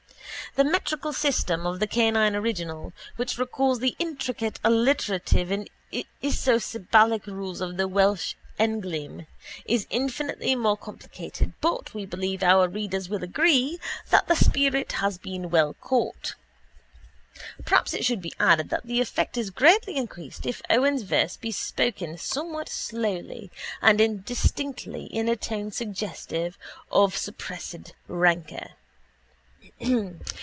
The metrical system of the canine original, which recalls the intricate alliterative and isosyllabic rules of the Welsh englyn, is infinitely more complicated but we believe our readers will agree that the spirit has been well caught. Perhaps it should be added that the effect is greatly increased if Owen's verse be spoken somewhat slowly and indistinctly in a tone suggestive of suppressed rancour.